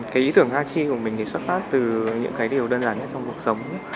cái ý tưởng hachi của mình thì xuất phát từ những cái điều đơn giản nhất trong cuộc sống